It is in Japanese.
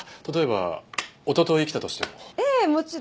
例えばおととい来たとしても。